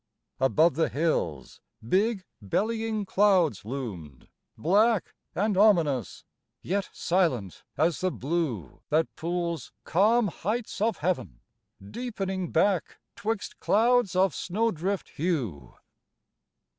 Above the hills, big, bellying clouds loomed, black And ominous, yet silent as the blue That pools calm heights of heaven, deepening back 'Twixt clouds of snowdrift hue.